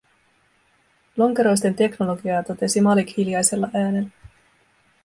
"Lonkeroisten teknologiaa", totesi Malik hiljaisella äänellä.